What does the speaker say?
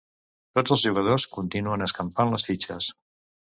Tots els jugadors continuen escampant les fitxes.